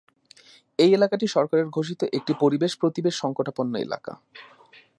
এই এলাকাটি সরকারের ঘোষিত একটি 'পরিবেশ-প্রতিবেশ সংকটাপন্ন এলাকা'।